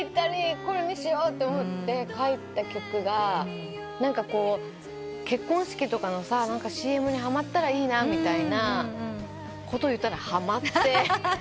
これにしようと思って書いた曲が結婚式とかのＣＭにはまったらいいなみたいなこと言ったらはまって。